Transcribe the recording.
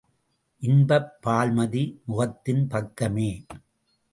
இன்பப் பால்மதி முகத்தின் பக்கமே.